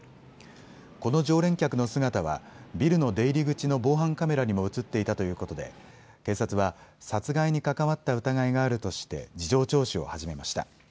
この常連客の姿はビルの出入り口の防犯カメラにも写っていたということで警察は殺害に関わった疑いがあるとして事情聴取を始めました。